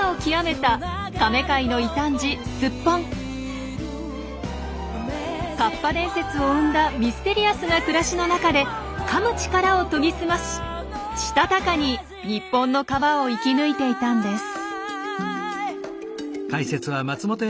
カッパ伝説を生んだミステリアスな暮らしの中でかむ力を研ぎ澄まししたたかに日本の川を生き抜いていたんです。